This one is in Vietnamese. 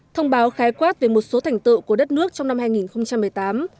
thông báo khái quát về một số thành tựu của đất nước trong năm hai nghìn một mươi tám